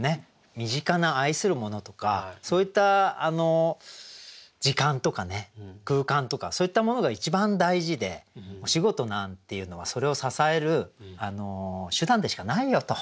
身近な愛するものとかそういった時間とかね空間とかそういったものが一番大事でお仕事なんていうのはそれを支える手段でしかないよと。